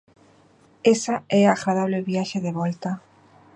Esa é a agradable viaxe de volta.